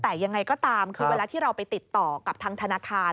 แต่ยังไงก็ตามคือเวลาที่เราไปติดต่อกับทางธนาคาร